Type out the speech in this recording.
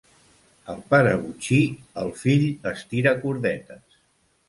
El pare botxí, el fill estiracordetes.